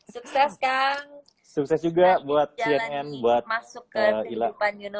sukses kang sukses juga buat cnn buat ilah